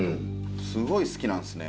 すごい好きなんですね。